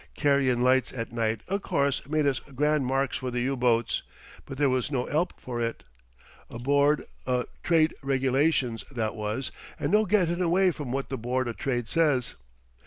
Carryin' lights at night o' course made us grand marks for the U boats, but there was no 'elp for it. A board o' trade regulation, that was, and no gettin' away from what the board o' trade says.